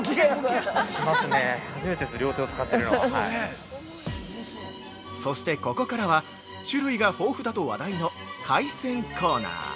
◆そしてここからは、種類が豊富だと話題の海鮮コーナー。